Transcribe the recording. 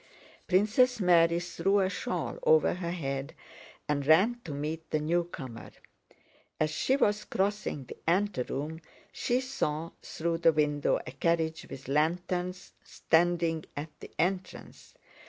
Princess Mary threw a shawl over her head and ran to meet the newcomer. As she was crossing the anteroom she saw through the window a carriage with lanterns, standing at the entrance.